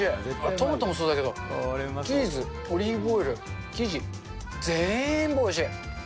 トマトもそうだけど、チーズ、オリーブオイル、生地、ぜーんぶおいしい。